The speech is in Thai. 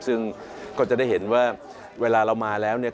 ซึ่งก็จะได้เห็นว่าเวลาเรามาแล้วเนี่ย